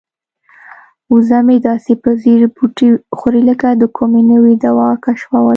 وزه مې داسې په ځیر بوټي خوري لکه د کومې نوې دوا کشفول.